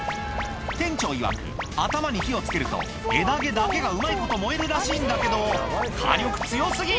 店長いわく頭に火を付けると枝毛だけがうまいこと燃えるらしいんだけど火力強過ぎ！